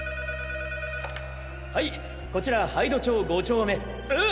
はいこちら杯戸町五丁目えっ！？